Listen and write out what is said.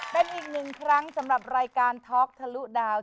เป็นอีก๑ครั้งสำหรับรายการทอคทะลุดาวน์